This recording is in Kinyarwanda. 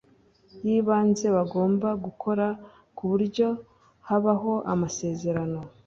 y ibanze bagomba gukora ku buryo habaho amasezerano